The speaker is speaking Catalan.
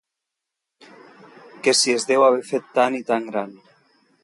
Que si es deu haver fet tan i tan gran.